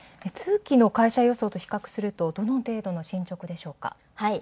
通期の会社予想と比較すると、どのような進捗でしょうか。